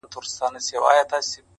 o چي زه او ته راضي، حاجت څه دئ د قاضي!